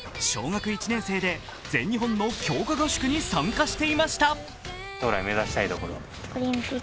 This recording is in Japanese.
小学１年生で全日本の強化合宿に参加していました。